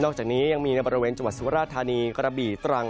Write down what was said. จากนี้ยังมีในบริเวณจังหวัดสุราธานีกระบี่ตรัง